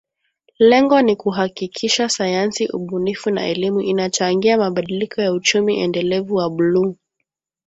Lengo ni kuhakikisha sayansi ubunifu na elimu inachangia mabadiliko ya Uchumi Endelevu wa Bluu